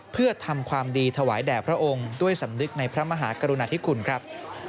เพื่อทำความดีถวายแด่พระองค์ด้วยสำนึกในพระมหากรุณาธิคุณครับ